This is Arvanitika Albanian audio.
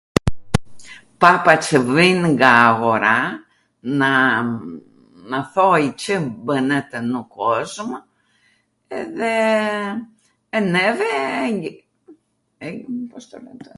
Papa Cw vijn nga aghora, na thoj Cw bwnetw nw kozmw edhe neve ... -πώς τομ λένε-